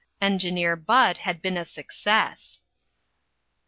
Engineer Bud had been a success.